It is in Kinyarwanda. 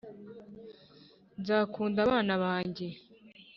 nzakunda bana banjye